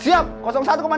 siap satu komandan